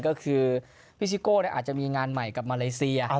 ก็คือพี่ซิโก้อาจจะมีงานใหม่กับมาเลเซีย